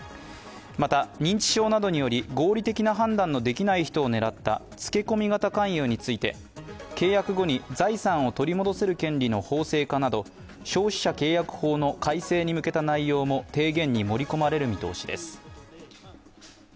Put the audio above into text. また、認知症などにより合理的な判断のできない人を狙ったつけ込み型関与について契約後に財産を取り戻せる権利の法制化など消費者契約法の改正に向けた内容も提言に盛り込まれる見通しです。